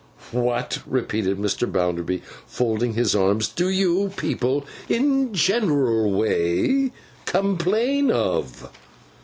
'What,' repeated Mr. Bounderby, folding his arms, 'do you people, in a general way, complain of?